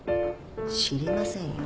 知りませんよ。